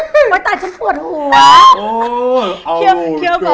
แต่ฉันปวดหัว